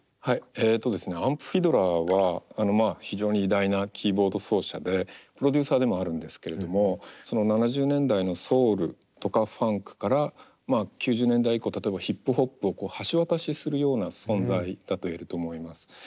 はいえとですねアンプ・フィドラーは非常に偉大なキーボード奏者でプロデューサーでもあるんですけれどもその７０年代のソウルとかファンクから９０年代以降例えばヒップホップを橋渡しするような存在だと言えると思います。